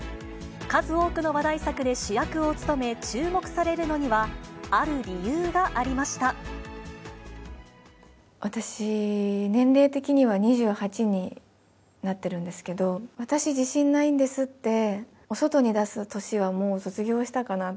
数多くの話題作で主役を務め注目されるのには、ある理由がありま私、年齢的には２８になってるんですけど、私、自信ないんですって、お外に出す年はもう卒業したかな。